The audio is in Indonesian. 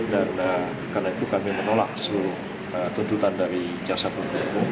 dan karena itu kami menolak seluruh tuntutan dari jasa pendukung